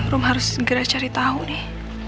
room harus segera cari tahu nih